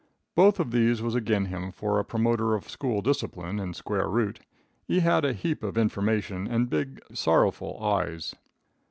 Both of these was agin him for a promoter of school discipline and square root. He had a heap of information and big sorrowful eyes.